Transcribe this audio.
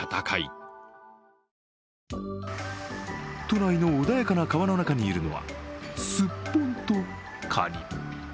都内の穏やかな川の中にいるのは、スッポンとカニ。